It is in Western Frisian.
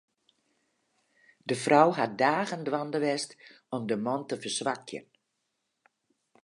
De frou hat dagen dwaande west om de man te ferswakjen.